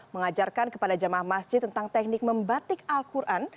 mengajarkan kepada jamaah masjid tentang teknik membatik al quran